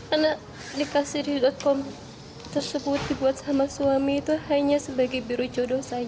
anak nikahsiri com tersebut dibuat sama suami itu hanya sebagai biro jodo saja